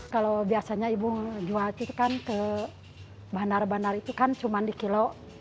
kalau biasanya ibu jual itu kan ke bandar bandar itu kan cuma di kilo